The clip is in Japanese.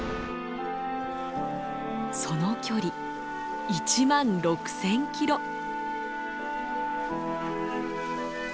その距離１万６，０００キロ。